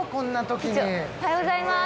おはようございます。